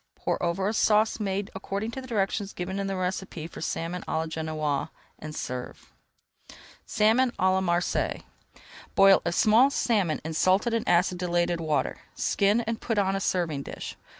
Pour over a sauce made according to directions given in the recipe for Salmon à la Genoise, and serve. SALMON À LA MARSEILLES Boil a small salmon in salted and acidulated water. Skin and put on a serving dish.